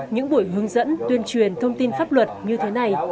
những buổi hướng dẫn tuyên truyền thông tin pháp luật như thế này